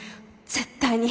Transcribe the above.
絶対に。